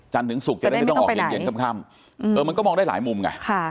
ถึงศุกร์จะได้ไม่ต้องออกเย็นค่ำมันก็มองได้หลายมุมไง